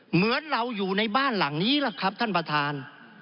เหมือนเราอยู่ในบ้านหลังนี้ล่ะครับท่านประธาน